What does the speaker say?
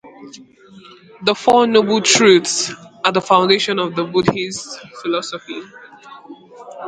The Four Noble Truths are the foundation of Buddhist philosophy.